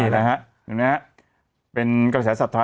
ภาพต้องมาแล้วค่ะ